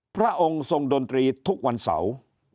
พระองค์ทรงดนตรีทุกวันเสาร์